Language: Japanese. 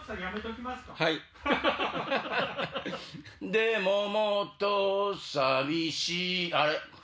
でももっと寂しいあれ？